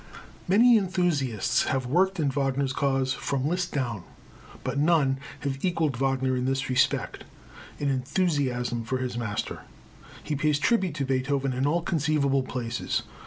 Many enthusiasts have worked in Wagner's cause from Liszt down, but none have equalled Wagner in this respect in enthusiasm for his master. He pays tribute to Beethoven in all conceivable places.